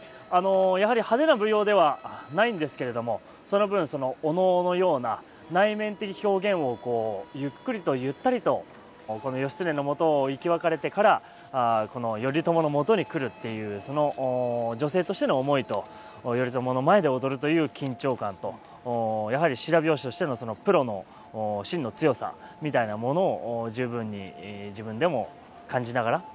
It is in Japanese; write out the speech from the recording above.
やはり派手な舞踊ではないんですけれどもその分お能のような内面的表現をこうゆっくりとゆったりとこの義経のもとを生き別れてからこの頼朝のもとに来るっていうその女性としての思いと頼朝の前で踊るという緊張感とやはり白拍子としてのプロのしんの強さみたいなものを十分に自分でも感じながら。